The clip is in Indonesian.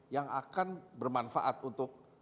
yang akan bermanfaat untuk